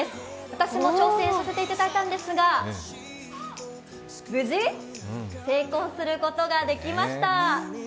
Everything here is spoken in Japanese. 私も挑戦させていただいたんですが、無事、成功することができました。